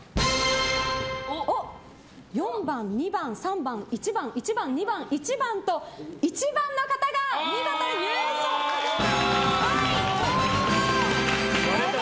４番、２番、３番、１番１番、１番、２番と１番の方が見事優勝です！